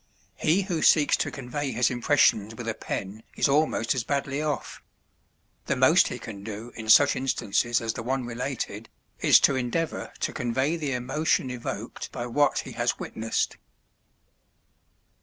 He who seeks to convey his impressions with a pen is almost as badly off: the most he can do in such instances as the one related, is to endeavour to convey the emotion evoked by what he has witnessed.